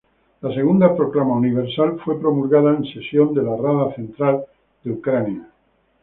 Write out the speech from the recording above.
La Segunda Proclama Universal fue promulgada en sesión de la Rada Central de Ucrania.